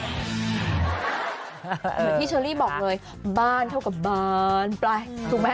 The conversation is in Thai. เหมือนที่เชอรี่บอกเลยบ้านเท่ากับบานปลายถูกไหม